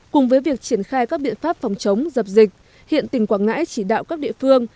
cùng với việc triển khai các biện pháp phòng chống dập dịch hiện tỉnh quảng ngãi chỉ đạo các địa phương